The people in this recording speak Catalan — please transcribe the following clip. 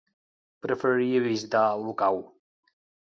Preferiria visitar Olocau.